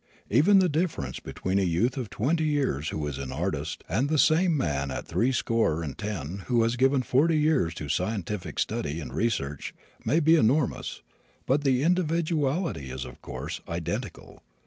Even the difference between a youth of twenty years who is an artist and the same man at three score and ten who has given forty years to scientific study and research, may be enormous, but the individuality is, of course, identical.